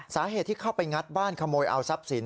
สาเหตุที่เข้าไปงัดบ้านขโมยเอาทรัพย์สิน